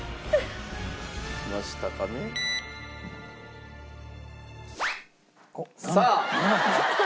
書けましたかね？さあ。